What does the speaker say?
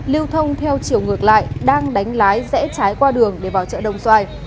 lưu thông theo chiều ngược lại đang đánh lái rẽ trái qua đường để vào chợ đồng xoài